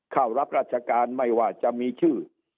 เข้ารับราชการไม่ว่าจะมีชื่อ